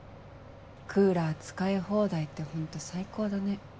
クーラー使い放題ってホント最高だね。